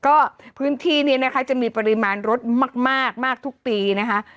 ก็พื้นที่นี้นะคะจะมีปริมาณรถมากมากทุกปีนะคะ